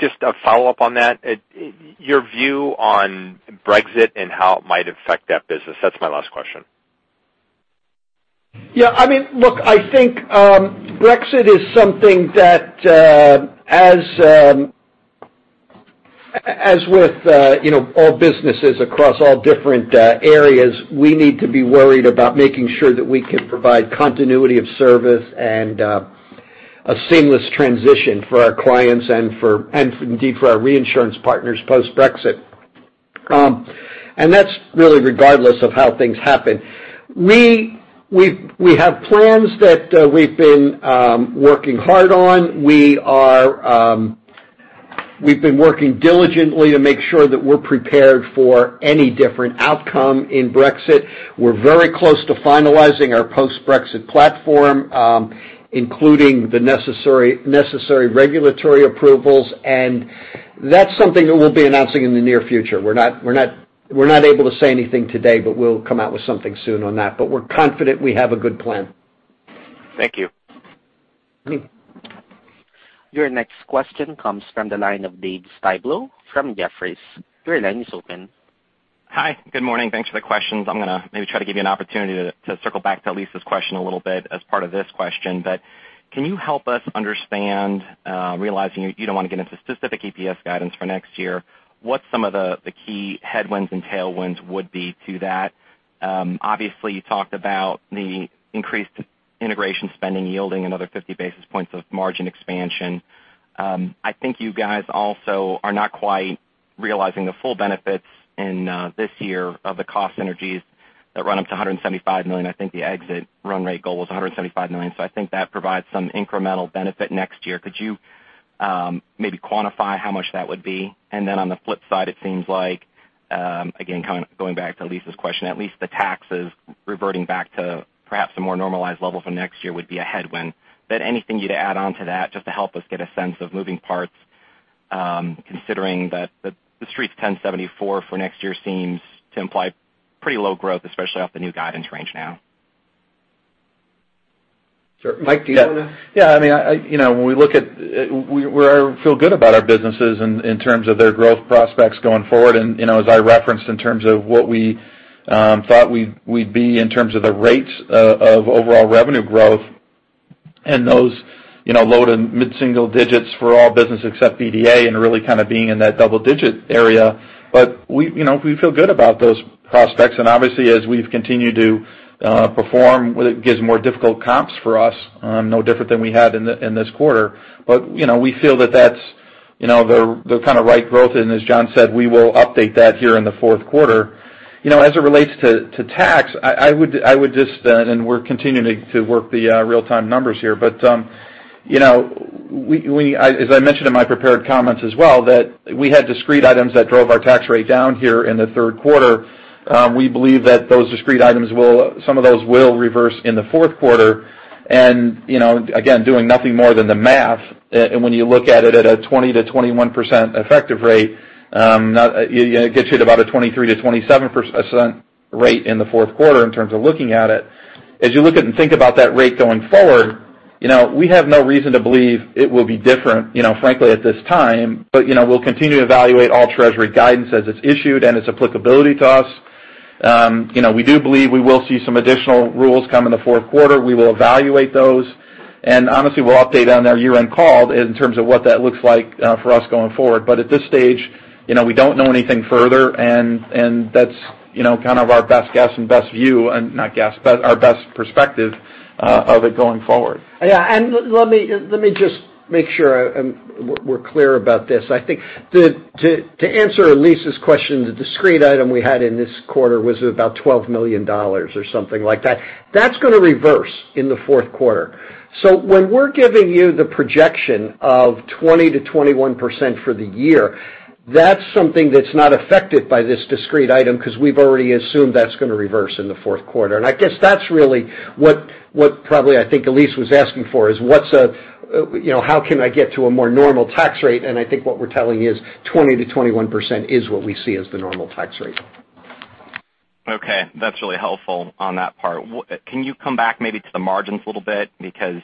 Just a follow-up on that, your view on Brexit and how it might affect that business. That's my last question. Yeah. Look, I think Brexit is something that as with all businesses across all different areas, we need to be worried about making sure that we can provide continuity of service and a seamless transition for our clients and indeed for our reinsurance partners post-Brexit. That's really regardless of how things happen. We have plans that we've been working hard on. We've been working diligently to make sure that we're prepared for any different outcome in Brexit. We're very close to finalizing our post-Brexit platform, including the necessary regulatory approvals, and that's something that we'll be announcing in the near future. We're not able to say anything today, but we'll come out with something soon on that. We're confident we have a good plan. Thank you. Your next question comes from the line of David Styblo from Jefferies. Your line is open. Hi, good morning. Thanks for the questions. I'm going to maybe try to give you an opportunity to circle back to Elyse's question a little bit as part of this question. Can you help us understand, realizing you don't want to get into specific EPS guidance for next year, what some of the key headwinds and tailwinds would be to that? Obviously, you talked about the increased integration spending yielding another 50 basis points of margin expansion. I think you guys also are not quite realizing the full benefits in this year of the cost synergies that run up to $175 million. I think the exit run rate goal was $175 million, so I think that provides some incremental benefit next year. Could you maybe quantify how much that would be? On the flip side, it seems like, again, going back to Elyse's question, at least the taxes reverting back to perhaps a more normalized level for next year would be a headwind. Anything you'd add on to that just to help us get a sense of moving parts, considering that the Street's $1,074 for next year seems to imply pretty low growth, especially off the new guidance range now. Sure. Mike, do you want to We feel good about our businesses in terms of their growth prospects going forward, and as I referenced in terms of what we thought we'd be in terms of the rates of overall revenue growth and those low to mid-single-digits for all business except BDA, and really kind of being in that double-digit area. We feel good about those prospects, and obviously as we've continued to perform, it gives more difficult comps for us. No different than we had in this quarter. We feel that that's the right growth, and as John said, we will update that here in the fourth quarter. As it relates to tax, we're continuing to work the real-time numbers here, as I mentioned in my prepared comments as well, that we had discrete items that drove our tax rate down here in the third quarter. We believe that those discrete items, some of those will reverse in the fourth quarter. Again, doing nothing more than the math, and when you look at it at a 20%-21% effective rate, it gets you to about a 23%-27% rate in the fourth quarter in terms of looking at it. As you look at and think about that rate going forward, we have no reason to believe it will be different, frankly, at this time. We'll continue to evaluate all U.S. Treasury guidance as it's issued and its applicability to us. We do believe we will see some additional rules come in the fourth quarter. We will evaluate those, and honestly, we'll update on our year-end call in terms of what that looks like for us going forward. At this stage, we don't know anything further, and that's kind of our best guess and best view and, not guess, but our best perspective of it going forward. Yeah. Let me just make sure we're clear about this. I think to answer Elyse's question, the discrete item we had in this quarter was about $12 million or something like that. That's going to reverse in the fourth quarter. When we're giving you the projection of 20%-21% for the year, that's something that's not affected by this discrete item because we've already assumed that's going to reverse in the fourth quarter. I guess that's really what probably I think Elyse was asking for is how can I get to a more normal tax rate? I think what we're telling is 20%-21% is what we see as the normal tax rate. Okay. That's really helpful on that part. Can you come back maybe to the margins a little bit? Because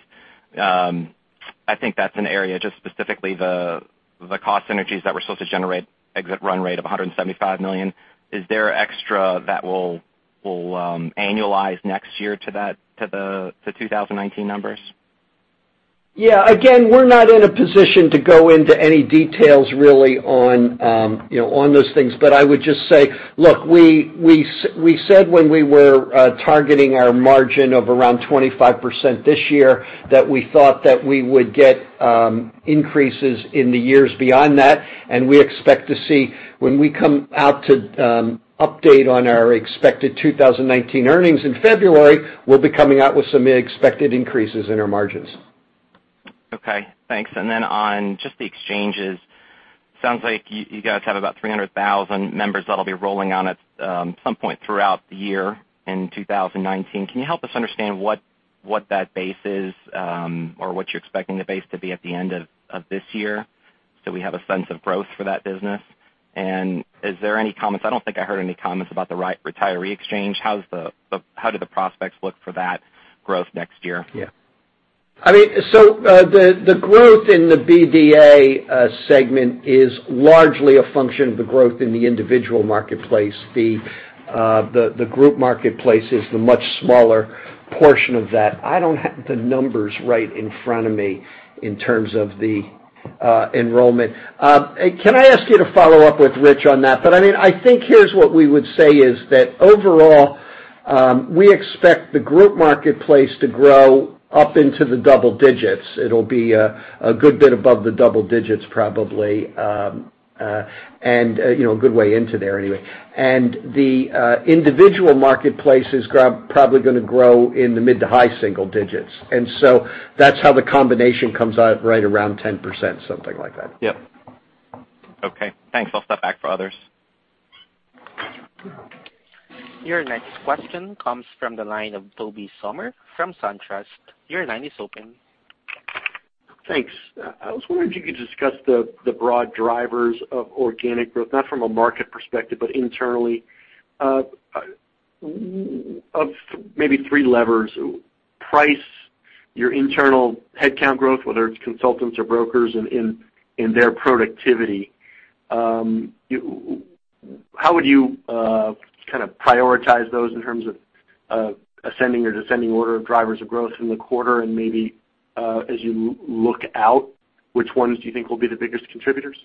I think that's an area, just specifically the cost synergies that we're supposed to generate exit run rate of $175 million. Is there extra that will annualize next year to the 2019 numbers? Yeah. Again, we're not in a position to go into any details really on those things. I would just say, look, we said when we were targeting our margin of around 25% this year, that we thought that we would get increases in the years beyond that. We expect to see when we come out to update on our expected 2019 earnings in February, we'll be coming out with some expected increases in our margins. Okay, thanks. On just the exchanges, sounds like you guys have about 300,000 members that'll be rolling on it some point throughout the year in 2019. Can you help us understand what that base is, or what you're expecting the base to be at the end of this year so we have a sense of growth for that business? Is there any comments, I don't think I heard any comments about the retiree exchange. How do the prospects look for that growth next year? Yeah. The growth in the BDA segment is largely a function of the growth in the individual marketplace. The group marketplace is the much smaller portion of that. I don't have the numbers right in front of me in terms of the enrollment. Can I ask you to follow up with Rich on that? I think here's what we would say is that overall, we expect the group marketplace to grow up into the double digits. It'll be a good bit above the double digits probably, and a good way into there anyway. The individual marketplace is probably going to grow in the mid to high single digits. That's how the combination comes out right around 10%, something like that. Yep. Okay, thanks. I'll step back for others. Your next question comes from the line of Tobey Sommer from SunTrust. Your line is open. Thanks. I was wondering if you could discuss the broad drivers of organic growth, not from a market perspective, but internally, of maybe three levers, price, your internal headcount growth, whether it's consultants or brokers, and their productivity. How would you prioritize those in terms of ascending or descending order of drivers of growth in the quarter? Maybe, as you look out, which ones do you think will be the biggest contributors?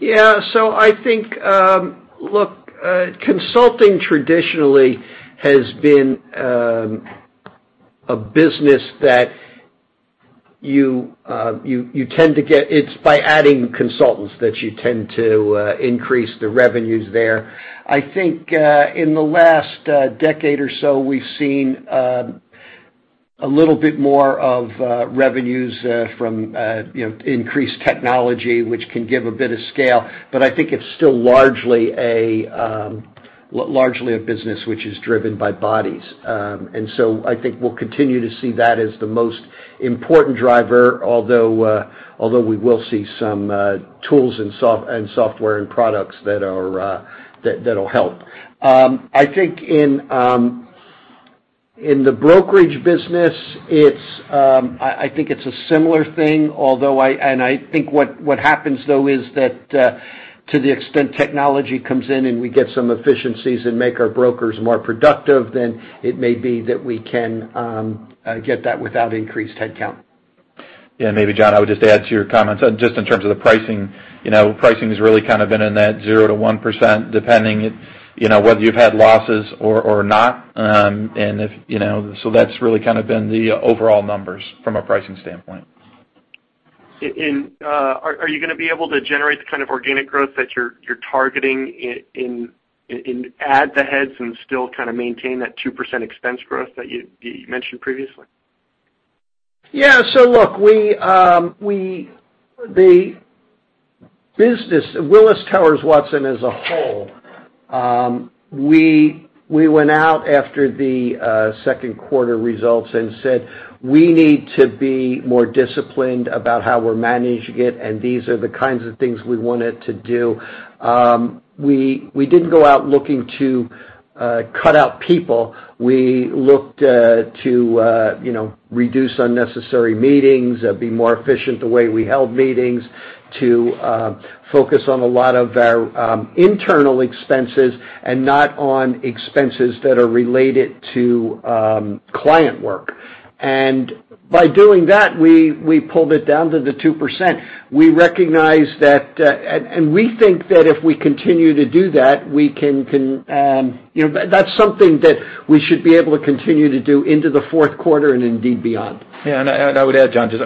Yeah. I think, consulting traditionally has been a business that it's by adding consultants that you tend to increase the revenues there. I think, in the last decade or so, we've seen a little bit more of revenues from increased technology, which can give a bit of scale, but I think it's still largely a business which is driven by bodies. I think we'll continue to see that as the most important driver, although we will see some tools and software and products that'll help. I think in the brokerage business, I think it's a similar thing, and I think what happens, though, is that to the extent technology comes in and we get some efficiencies and make our brokers more productive, then it may be that we can get that without increased headcount. Yeah. Maybe, John, I would just add to your comments just in terms of the pricing. Pricing has really been in that 0%-1%, depending whether you've had losses or not. That's really been the overall numbers from a pricing standpoint. Are you going to be able to generate the kind of organic growth that you're targeting and add the heads and still maintain that 2% expense growth that you mentioned previously? Look, Willis Towers Watson as a whole, we went out after the second quarter results and said, "We need to be more disciplined about how we're managing it, and these are the kinds of things we wanted to do." We didn't go out looking to cut out people. We looked to reduce unnecessary meetings, be more efficient the way we held meetings, to focus on a lot of our internal expenses and not on expenses that are related to client work. By doing that, we pulled it down to 2%. We think that if we continue to do that's something that we should be able to continue to do into the fourth quarter and indeed beyond. I would add, John, just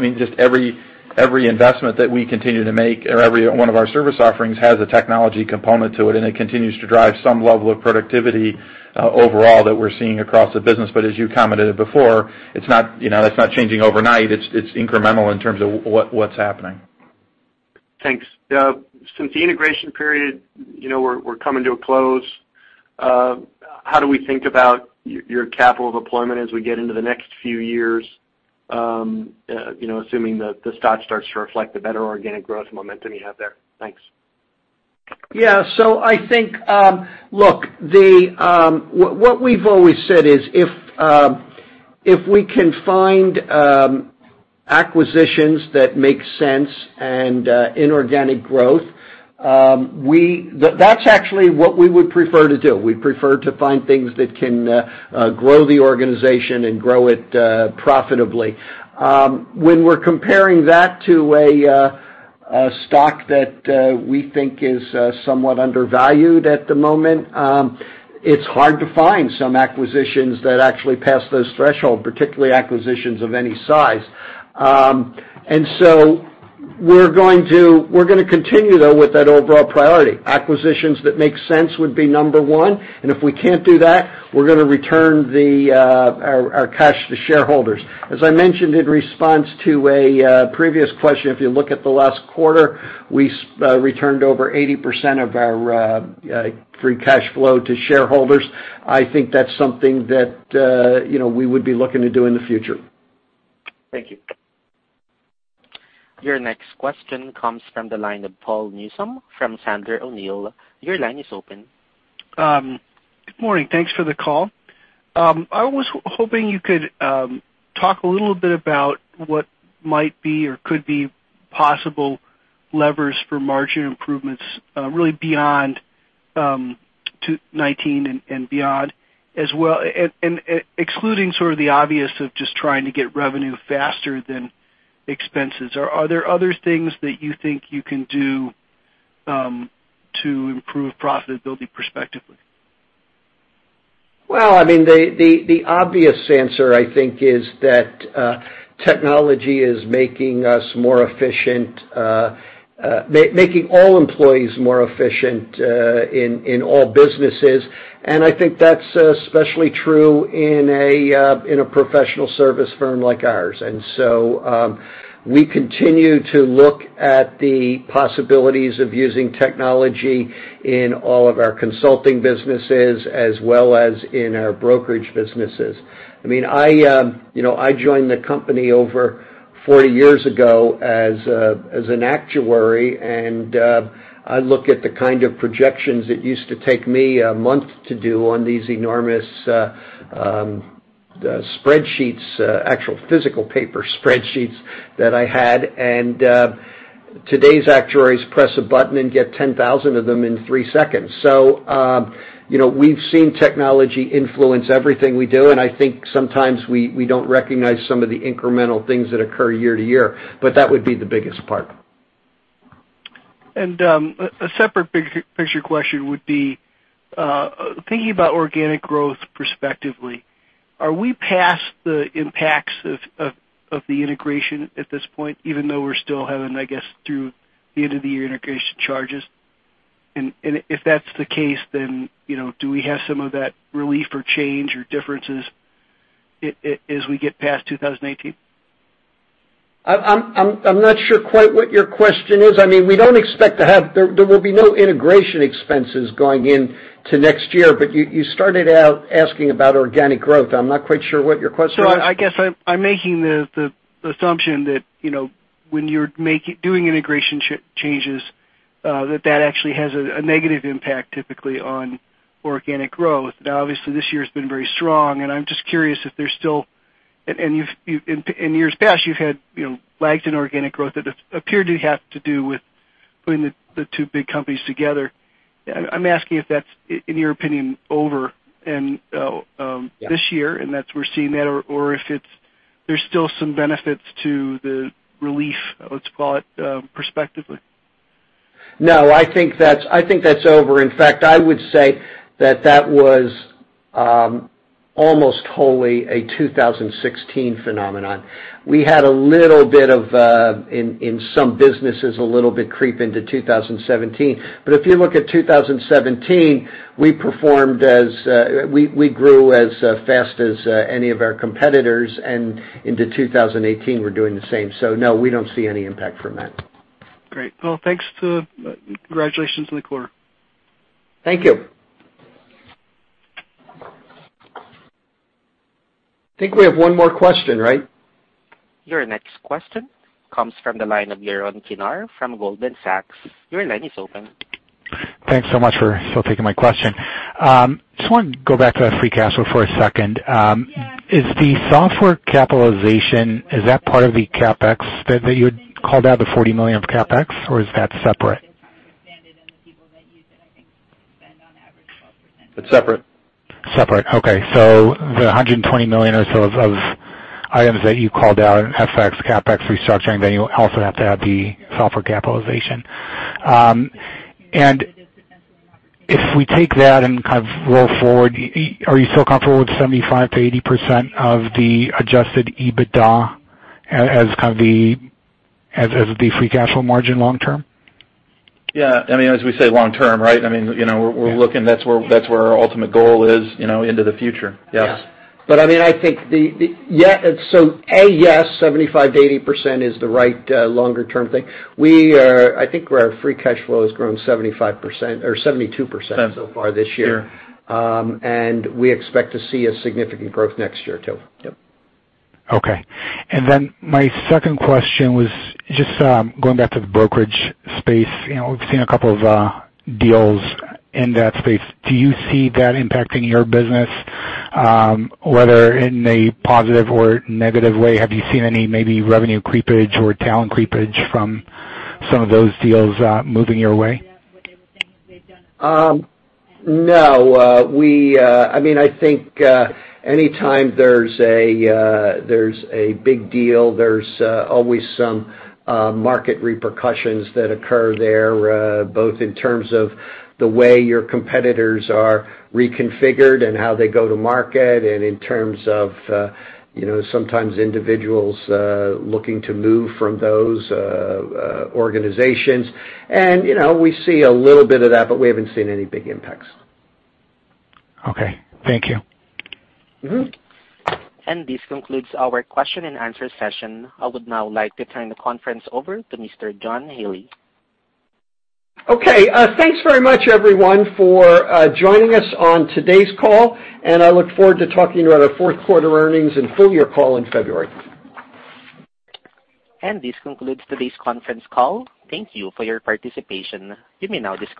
every investment that we continue to make or every one of our service offerings has a technology component to it continues to drive some level of productivity overall that we're seeing across the business. As you commented before, it's not changing overnight. It's incremental in terms of what's happening. Thanks. Since the integration period, we're coming to a close, how do we think about your capital deployment as we get into the next few years, assuming that the stock starts to reflect the better organic growth momentum you have there? Thanks. I think, what we've always said is, if we can find acquisitions that make sense, inorganic growth, that's actually what we would prefer to do. We prefer to find things that can grow the organization and grow it profitably. When we're comparing that to a stock that we think is somewhat undervalued at the moment, it's hard to find some acquisitions that actually pass those threshold, particularly acquisitions of any size. We're going to continue, though, with that overall priority. Acquisitions that make sense would be number one, if we can't do that, we're going to return our cash to shareholders. As I mentioned in response to a previous question, if you look at the last quarter, we returned over 80% of our free cash flow to shareholders. I think that's something that we would be looking to do in the future. Thank you. Your next question comes from the line of Paul Newsome from Sandler O'Neill. Your line is open. Good morning. Thanks for the call. I was hoping you could talk a little bit about what might be or could be possible levers for margin improvements really to 2019 and beyond. Excluding sort of the obvious of just trying to get revenue faster than expenses, are there other things that you think you can do to improve profitability prospectively? The obvious answer, I think is that technology is making us more efficient, making all employees more efficient in all businesses. I think that's especially true in a professional service firm like ours. So, we continue to look at the possibilities of using technology in all of our consulting businesses as well as in our brokerage businesses. I joined the company over 40 years ago as an actuary, and I look at the kind of projections it used to take me a month to do on these enormous spreadsheets, actual physical paper spreadsheets that I had. Today's actuaries press a button and get 10,000 of them in three seconds. We've seen technology influence everything we do, and I think sometimes we don't recognize some of the incremental things that occur year to year. That would be the biggest part. A separate big-picture question would be, thinking about organic growth perspectively, are we past the impacts of the integration at this point, even though we're still having, I guess, through the end-of-the-year integration charges? If that's the case, do we have some of that relief or change or differences as we get past 2018? I'm not sure quite what your question is. There will be no integration expenses going into next year. You started out asking about organic growth. I'm not quite sure what your question is. I guess I'm making the assumption that when you're doing integration changes, that that actually has a negative impact typically on organic growth. Obviously, this year's been very strong, and I'm just curious. In years past, you've lagged in organic growth. That appeared to have to do with putting the two big companies together. I'm asking if that's, in your opinion, over in- Yeah this year, and we're seeing that, or if there's still some benefits to the relief, let's call it, perspectively. No, I think that's over. I would say that that was almost wholly a 2016 phenomenon. We had a little bit of, in some businesses, a little bit creep into 2017. If you look at 2017, we grew as fast as any of our competitors, into 2018, we're doing the same. No, we don't see any impact from that. Great. Well, thanks. Congratulations on the quarter. Thank you. I think we have one more question, right? Your next question comes from the line of Yaron Kinar from Goldman Sachs. Your line is open. Thanks so much for still taking my question. Just wanted to go back to free cash flow for a second. Is the software capitalization, is that part of the CapEx that you had called out, the $40 million of CapEx, or is that separate? It's separate. Separate. Okay, the $120 million or so of items that you called out in FX, CapEx restructuring, then you also have to add the software capitalization. If we take that and roll forward, are you still comfortable with 75%-80% of the adjusted EBITDA as the free cash flow margin long term? Yeah. As we say, long term, right? We're looking, that's where our ultimate goal is into the future. Yes. Yeah. A, yes, 75% to 80% is the right longer-term thing. I think our free cash flow has grown 75% or 72% so far this year. Sure. We expect to see a significant growth next year, too. Yep. Okay. My second question was just going back to the brokerage space. We've seen a couple of deals in that space. Do you see that impacting your business, whether in a positive or negative way? Have you seen any maybe revenue creepage or talent creepage from some of those deals moving your way? No. I think anytime there's a big deal, there's always some market repercussions that occur there, both in terms of the way your competitors are reconfigured and how they go to market and in terms of sometimes individuals looking to move from those organizations. We see a little bit of that, but we haven't seen any big impacts. Okay. Thank you. This concludes our question and answer session. I would now like to turn the conference over to Mr. John Haley. Okay. Thanks very much, everyone, for joining us on today's call, and I look forward to talking to you on our fourth quarter earnings and full-year call in February. This concludes today's conference call. Thank you for your participation. You may now disconnect.